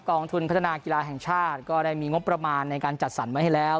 องทุนพัฒนากีฬาแห่งชาติก็ได้มีงบประมาณในการจัดสรรไว้ให้แล้ว